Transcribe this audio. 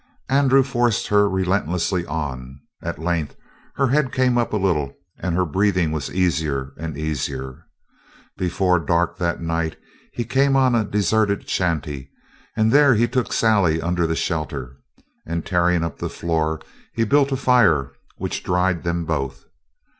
Andrew forced her relentlessly on. At length her head came up a little and her breathing was easier and easier. Before dark that night he came on a deserted shanty, and there he took Sally under the shelter, and, tearing up the floor, he built a fire which dried them both.